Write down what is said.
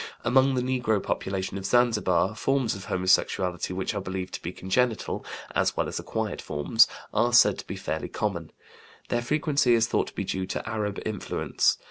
Among the negro population of Zanzibar forms of homosexuality which are believed to be congenital (as well as acquired forms) are said to be fairly common. Their frequency is thought to be due to Arab influence.